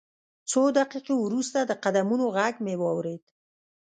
څو دقیقې وروسته د قدمونو غږ مې واورېد